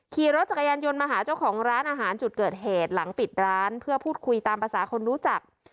ขี่รถจักรยานยนต์มาหาเจ้าของร้านอาหารจุดเกิดเหตุหลังปิดร้านเพื่อพูดคุยตามภาษาคนรู้จัก